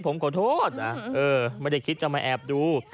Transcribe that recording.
ผมขอโทษนะไม่ได้คิดจะมาแอบดู